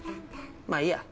まあいいや。